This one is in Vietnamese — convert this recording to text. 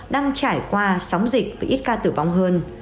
đang trải qua sóng dịch với ít ca tử vong hơn